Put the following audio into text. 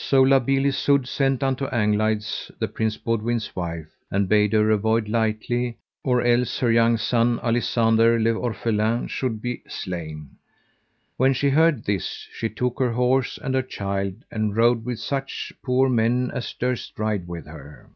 So La Beale Isoud sent unto Anglides, the Prince Boudwin's wife, and bade her avoid lightly or else her young son, Alisander le Orphelin, should be slain. When she heard this, she took her horse and her child; and rode with such poor men as durst ride with her.